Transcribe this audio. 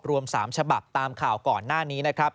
รวม๓ฉบับตามข่าวก่อนหน้านี้นะครับ